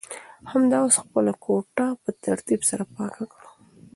همدا اوس خپله کوټه په ترتیب سره پاکه کړه.